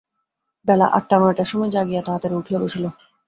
বেলা আটটা-নয়টার সময় জাগিয়া তাড়াতড়ি উঠিয়া বসিল।